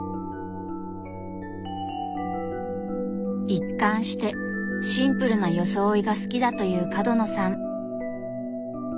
一貫してシンプルな装いが好きだという角野さん。